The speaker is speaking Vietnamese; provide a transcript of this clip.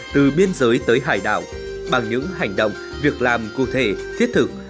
từ biên giới tới hải đảo bằng những hành động việc làm cụ thể thiết thực